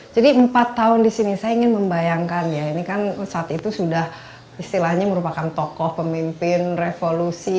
jadi empat tahun di sini saya ingin membayangkan ya ini kan saat itu sudah istilahnya merupakan tokoh pemimpin revolusi